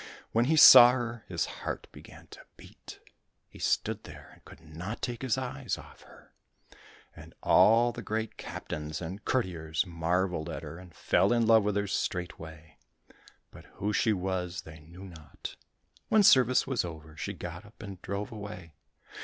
When he saw her, his heart began to beat. He stood there, and could not take his eyes off her. And all the great captains and courtiers marvelled at her and fell in love with her straightway. But who she was, they knew not. When service was over, she got up and drove away.